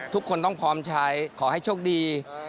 ทุกคนต้องพร้อมใช้ขอให้โชคดี